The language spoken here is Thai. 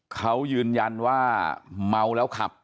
เขายืนยันว่าเมาแล้วขับ